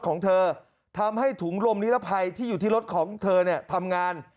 ของเธอทำให้ถุงลมนิรภัยที่อยู่ที่รถของเธอเนี่ยทำงาน